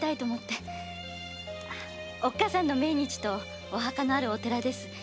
おっ母さんの命日とお墓のあるお寺です。